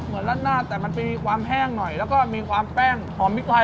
รัดหน้าแต่มันมีความแห้งหน่อยแล้วก็มีความแป้งหอมพริกไทย